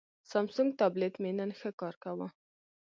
سامسنګ ټابلیټ مې نن ښه کار کاوه.